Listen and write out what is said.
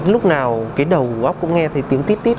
lúc nào cái đầu của góc cũng nghe thấy tiếng tít tít